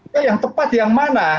ya yang tepat yang mana